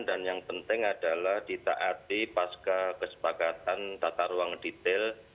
dan yang penting adalah ditaati pas kekesepakatan tata ruang detail